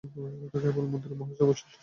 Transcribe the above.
কেবল মন্ত্রী ও মহারাজ অবশিষ্ট রহিলেন।